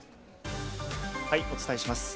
お伝えします。